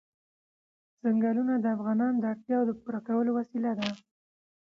ځنګلونه د افغانانو د اړتیاوو د پوره کولو وسیله ده.